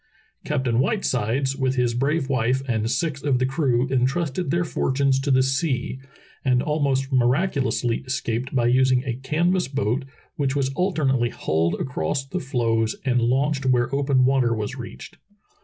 Captain Whitesides with his brave wife and six of the crew in trusted their fortunes to the sea, and almost miracu lously escaped by using a canvas boat, which was al ternately hauled across the floes and launched where open water was reached.